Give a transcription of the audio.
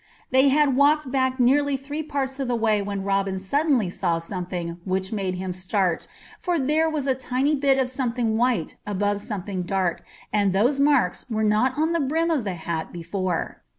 They had walked back nearly three parts of the way when Robin suddenly saw something which made him start, for there was a tiny bit of something white above something dark, and those marks were not on the brim of the hat before.